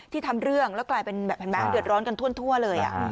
ทำเรื่องแล้วกลายเป็นแบบเห็นไหมเดือดร้อนกันทั่วเลย